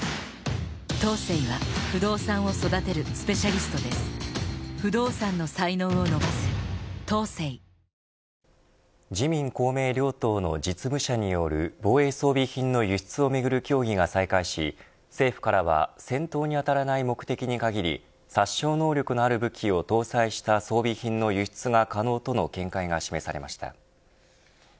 甲子園で躍動する後輩たちの姿に勇気と刺激を受けた郡司さらに次の打席でも自民・公明両党の実務者による防衛装備品の輸出をめぐる協議が再開し政府からは戦闘に当たらない目的に限り殺傷能力のある武器を搭載した装備品の輸出が可能との見解が示されました。